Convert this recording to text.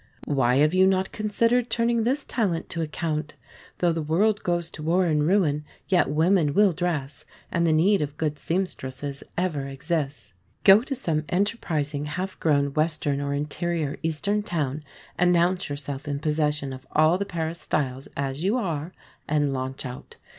Why have you not considered turning this talent to account? Though the world goes to war and ruin, yet women will dress, and the need of good seamstresses ever exists. Go to some enterprising half grown Western or interior Eastern town, announce yourself in possession of all the Paris styles (as you are), and launch out.